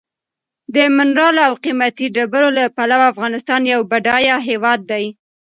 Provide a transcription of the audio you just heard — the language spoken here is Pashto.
د منرالو او قیمتي ډبرو له پلوه افغانستان یو بډایه هېواد دی.